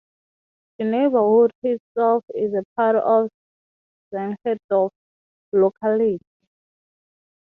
The neighbourhood itself is a part of the Zehlendorf locality.